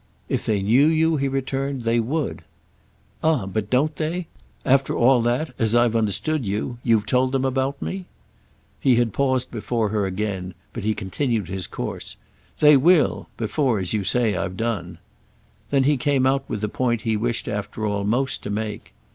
"If they knew you," he returned, "they would." "Ah but don't they?—after all that, as I've understood you you've told them about me?" He had paused before her again, but he continued his course "They will—before, as you say, I've done." Then he came out with the point he had wished after all most to make.